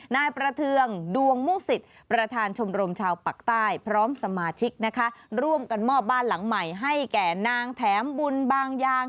นายประเทืองดวงมุกศิษย์ประธานชมรมชาวปากใต้พร้อมสมาชิกนะคะร่วมกันมอบบ้านหลังใหม่ให้แก่นางแถมบุญบางยาง